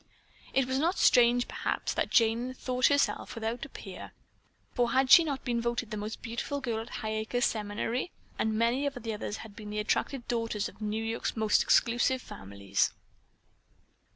It was not strange, perhaps, that Jane thought herself without a peer, for had she not been voted the most beautiful girl at Highacres Seminary, and many of the others had been the attractive daughters of New York's most exclusive families.